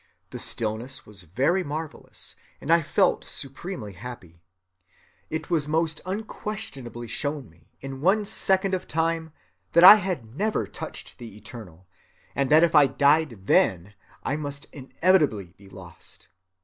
The stillness was very marvelous, and I felt supremely happy. It was most unquestionably shown me, in one second of time, that I had never touched the Eternal: and that if I died then, I must inevitably be lost.